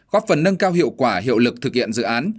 góp phần nâng cao hiệu quả hiệu lực thực hiện dự án